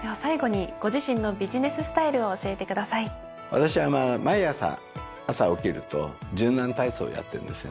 私は毎朝朝起きると柔軟体操をやってるんですよね。